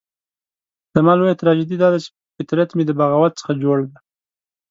زما لويه تراژیدي داده چې فطرت مې د بغاوت څخه جوړ دی.